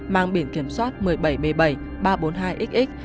mang biển kiểm soát một mươi bảy b bảy ba trăm bốn mươi hai xx